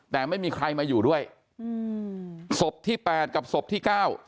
แต่ไม่มีใครมาอยู่ด้วยศพที่๘กับศพที่๙